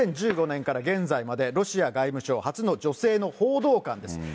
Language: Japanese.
２０１５年から現在までロシア外務省初の女性の報道官です。